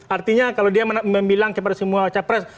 artinya kalau dia membilang kepada semua capres